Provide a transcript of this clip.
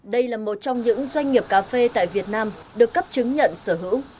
đây là một trong những doanh nghiệp cà phê tại việt nam được cấp chứng nhận sở hữu